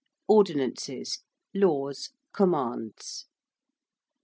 ~ordinances~: laws, commands.